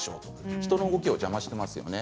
人の動きを邪魔していますよね。